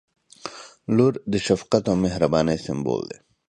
• لور د شفقت او مهربانۍ سمبول دی.